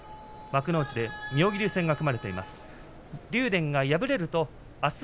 幕内で妙義龍戦が組まれています。